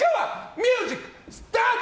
ミュージック、スタート！